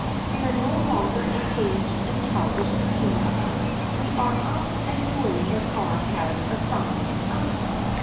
We are no longer engaged in childish dreams; we are up and doing what God has assigned to us.